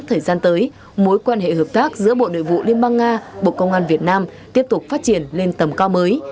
thời gian tới mối quan hệ hợp tác giữa bộ nội vụ liên bang nga bộ công an việt nam tiếp tục phát triển lên tầm cao mới